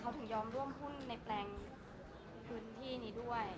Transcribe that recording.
ร่วมพูดไปในแปลงพื้นพี่นี้